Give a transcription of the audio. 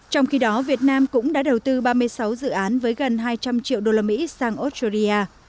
trong khi đó việt nam cũng đã đầu tư ba mươi sáu dự án với gần hai trăm linh triệu đô la mỹ sang australia